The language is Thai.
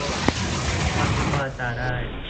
ประทุษวาจาได้